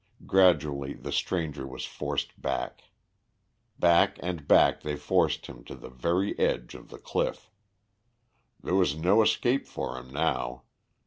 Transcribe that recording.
Gradually the stranger was forced back. Back and back they forced him to the very edge of the cliff. There was no escape for him now.